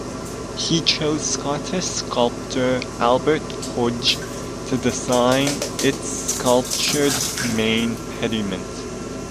He chose Scottish sculptor Albert Hodge to design its sculptured main pediment.